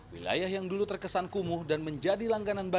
wilayah yang dulu terkesan kumuh dan menjadi langganan banjir